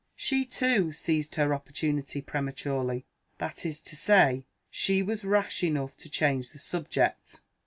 She, too, seized her opportunity prematurely. That is to say, she was rash enough to change the subject.